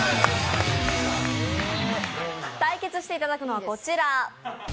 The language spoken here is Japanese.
対決していただくのはこちら。